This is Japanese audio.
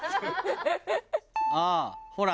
ああほら。